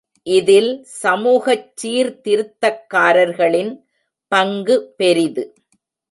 இதில் சமூகச் சீர்திருத்தக்காரர்களின் பங்கு பெரிது.